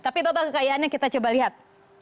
tapi total kekayaannya kita coba lihat